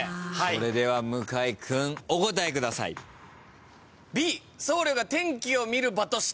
それでは向井君お答えください。え！？